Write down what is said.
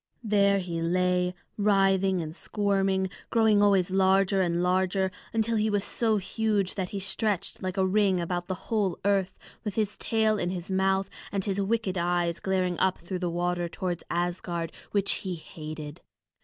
There he lay writhing and squirming, growing always larger and larger, until he was so huge that he stretched like a ring about the whole earth, with his tail in his mouth, and his wicked eyes glaring up through the water towards Asgard which he hated.